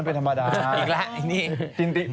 อ๋อนั่นเป็นธรรมดานะอีกแล้วไอ้นี่